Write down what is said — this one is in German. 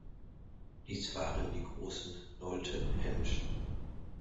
Dies waren die großen Knowlton Henge.